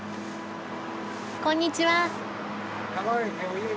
こんにちは。